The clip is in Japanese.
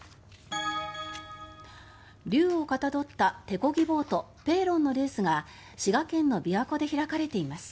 竜をかたどった手こぎボートペーロンのレースが滋賀県の琵琶湖で開かれています。